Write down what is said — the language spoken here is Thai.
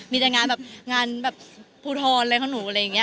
มีแต่งานแบบงานแบบภูทรอะไรของหนูอะไรอย่างนี้